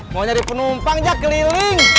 mau nyari penumpang jak keliling